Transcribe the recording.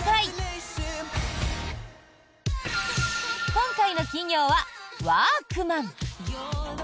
今回の企業はワークマン。